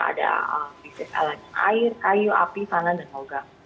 ada bisnis elemen air kayu api tanan dan mulut